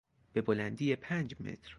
به بلندی پنج متر